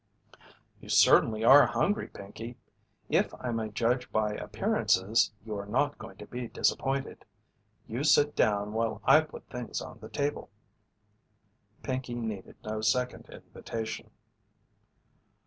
"You certainly are hungry, Pinkey. If I may judge by appearances, you are not going to be disappointed. You sit down while I put things on the table." Pinkey needed no second invitation.